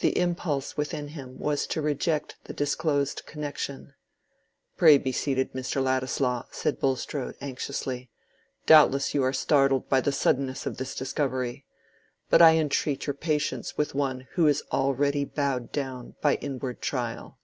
The impulse within him was to reject the disclosed connection. "Pray be seated, Mr. Ladislaw," said Bulstrode, anxiously. "Doubtless you are startled by the suddenness of this discovery. But I entreat your patience with one who is already bowed down by inward trial."